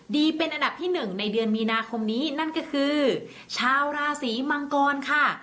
ดีเป็นอันดับที่๑ในเดือนมีนาคมนี้นั่นก็คือชาวราศีมังกรค่ะ